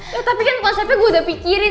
loh tapi kan konsepnya gue udah pikirin